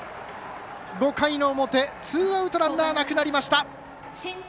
５回の表、ツーアウトランナーなくなりました。